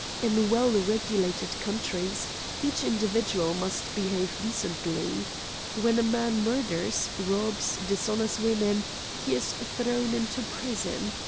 In well regulated countries each individual must behave decently. When a man murders, robs, dishonors women he is thrown into prison.